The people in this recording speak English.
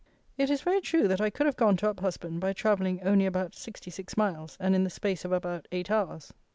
It is very true that I could have gone to Uphusband by travelling only about 66 miles, and in the space of about eight hours.